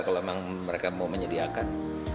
kalau memang mereka mau menyediakan